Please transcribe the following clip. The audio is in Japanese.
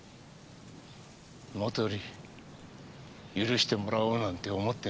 もとより許してもらおうなんて思ってないよ。